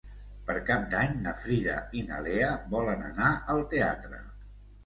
Per Cap d'Any na Frida i na Lea volen anar al teatre.